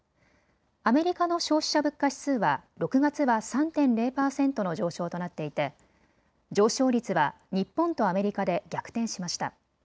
アメリカの消費者物価指数は６月は３．０％の上昇となっていて上昇率は日本とアメリカで逆転しました。